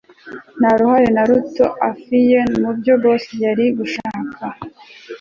ntaruhare naruto afiye mubyo boss yariri gushaka